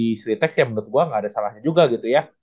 industri teks ya menurut gue gak ada salahnya juga gitu ya